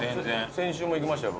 先週も行きましたよ